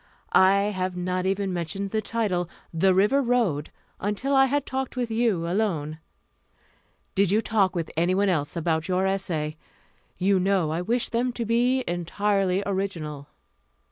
I have not even mentioned the title, The River Road, until I had talked with you alone. Did you talk with anyone else about your essay? You know I wished them to be entirely original."